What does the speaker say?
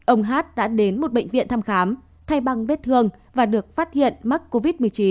ông hát đã đến một bệnh viện thăm khám thay băng vết thương và được phát hiện mắc covid một mươi chín